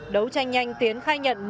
đấu tranh nhanh tiến khai nhận